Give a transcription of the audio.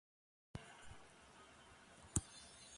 Sufrió martirio durante el reinado de Marco Aurelio.